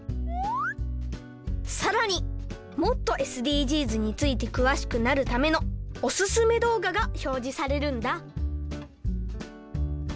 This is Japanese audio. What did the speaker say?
さらにもっとＳＤＧｓについてくわしくなるためのおすすめどうががひょうじされるんだ。